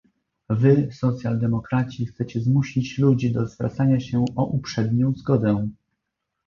Wy, socjaldemokraci, chcecie zmusić ludzi do zwracania się o uprzednią zgodę